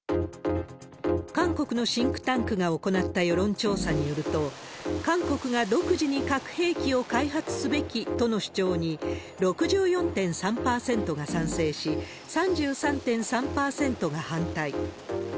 韓国のシンクタンクが行った世論調査によると、韓国が独自に核兵器を開発すべきとの主張に、６４．３％が賛成し、３３．３％が反対。